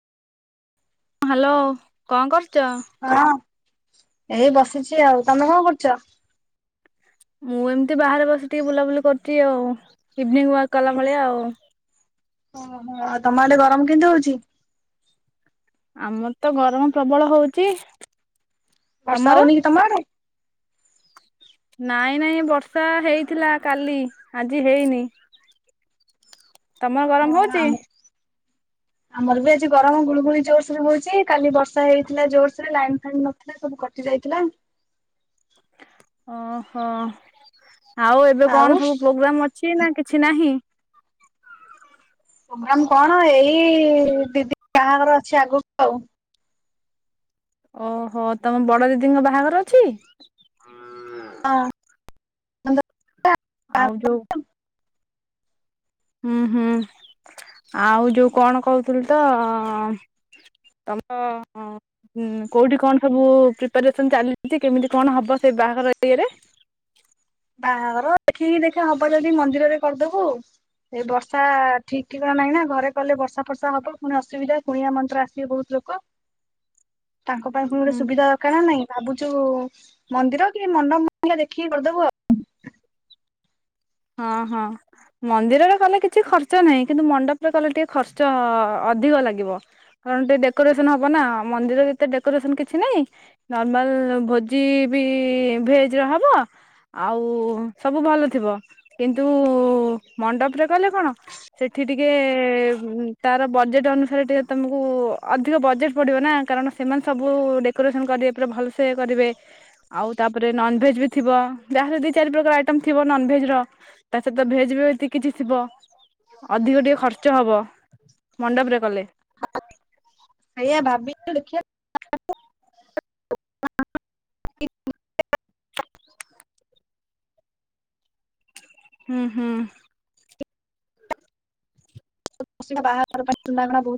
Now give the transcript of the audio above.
Hello. କଣ କରୁଛ? ହଁ, ଏଇ ବସିଛି ଆଉ। ତମେ କଣ କରୁଛ? ମୁଁ ଏମିତି ବାହାରେ ବସି, ଟିକେ ବୁଲାବୁଲି କରୁଛି, ଆଉ ଇଭିନିଂ ୱାକ କଲା ଭଳିଆ ଆଉ। ଓ, ହଁ ହଁ। ତମ ଆଡ଼େ ଗରମ କେମିତି ହଉଛି? ଆମର ତ, ଗରମ ପ୍ରବଳ ହଉଚି। ବର୍ଷା ହଉନି କି ତମ ଆଡ଼େ? ନାଇଁ, ନାଇଁ ବର୍ଷା ହେଇଥିଲା କାଲି। ଆଜି ହେଇନି। ତମର ଗରମ ହଁ, ହଉଛି? ଆମ ଆମର ବି ଆଜି ଗରମ ଗୁଳୁଗୁଳି ଜୋରସେ ବି ହଉଛି। କାଲି ବର୍ଷା ହେଇଥିଲା ଜୋରସେ ଲାଇନ୍ ଫାଇନ୍‌ ନଥିଲା। ସବୁ କଟି ଯାଇଥିଲା। ଓହୋ, ଆଉ ଏବେ ଆଉ କଣ ସବୁ ପ୍ରୋଗ୍ରାମ୍ ଅଛି, ନା କିଛି ନାହିଁ? ପ୍ରୋଗ୍ରାମ୍ କଣ? ଏଇ-ଇ-ଇ-ଇ ଦିଦି ବାହାଘର ଅଛି ଆଗକୁ ଆଉ। ଓହୋ, ତମ ବଡ ଦିଦିଙ୍କ ବାହାଘର ଅଛି? ହଁ। ଆଉ ଯୋଉ ହୁଁ ହୁଁ, ଆଉ ଯୋଉ କଣ କହୁଥିଲୁଲି ତ ତମ ହଁ ହୁଁ, କୋଉଠି କଣ ସବୁ ପ୍ରିପାରେସନ ଚାଲିଛି? କେମିତି କଣ ହବ, ସେ ବାହାଘର ଇଏରେ? ବାହାଘର ଦେଖିକି ଦେଖିଆ, ହବ ଯଦି ମନ୍ଦିରରେ କରିଦବୁ ଏଇ ବର୍ଷା ଠିକ ଠିକଣା ନାହିଁ ନା। ଘରେ କଲେ ବର୍ଷା-ଫର୍ଷା ହବ, ପୁଣି ଅସୁବିଧା କୁଣିଆ ମନ୍ତ୍ର ଆସିବେ ବୋହୁତ। ଲୋକ [inaudible] ତାଙ୍କ ପାଇଁ ଫୁଣି ଗୋଟେ ହୁଁ ସୁବିଧା କାହା ନାଇଁ, ଭାବୁଛୁ ମନ୍ଦିର କି ମଣ୍ଡପ ଦେଖିକି କରିଦବୁ ଆଉ। ହଁ ହଁ। ମନ୍ଦିରରେ କଲେ କିଛି ଖର୍ଚ୍ଚ ନାହିଁ। କିନ୍ତୁ, ମଣ୍ଡପରେ କଲେ ଟିକେ ଖର୍ଚ୍ଚ-ଅ-ଅ ଅଧିକ ଲାଗିବ। କାରଣ ଟିକେ ଡେକୋରେସନ ହବ ନା। ମନ୍ଦିର ଭିତରେ ଡେକୋରେସନ କିଛି ନାଇଁ। ନର୍ମାଲ୍ ଭୋଜି-ଇ ବି ଭେଜ୍‌ ର ହବ। ଆଉ ସବୁ ଭଲ ଥିବ। କିନ୍ତୁ, ମଣ୍ଡପରେ କଲେ କଣ ସେଠି ଟିକେ-ଏ ତାର ବଜେଟ୍ ଅନୁସାରେ ଟିକେ ତମକୁ-ଉ ଅଧିକ ବଜେଟ୍ ପଡିବ ନା, କାରଣ ସେମାନେ ସବୁ ଡେକୋରେସନ୍ କରିବେ, ପୁରା ଭଲସେ କରିବେ। ଆଉ ତାପରେ ନନ୍‌ଭେଜ୍ ବି ଥିବ। ଯାହା ହେଲେ ଦୁଇ-ଚାରି ପ୍ରକାର ଆଇଟମ୍ ଥିବ ନନ୍‌ଭେଜ୍‌ର। ତା ସହିତ ଭେଜ ରେ ଭି ତ କିଛି ଥିବ। ଅଧିକ ଟିକେ ଖର୍ଚ୍ଚ ହବ, ମଣ୍ଡପରେ କଲେ। [unintelligible] ସେଇଆ ଭାବିଛୁ ଦେଖିଆ। ହୁଁ ହୁଁ। ହଁ ସେଟା ବାହାଘର ପାଇଁ ସୁନା-ଗହଣା ବୋହୁତ।